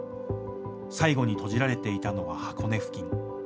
最後にとじられていたのは箱根付近。